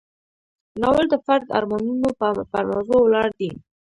ناول د فردي ارمانونو پر موضوع ولاړ دی.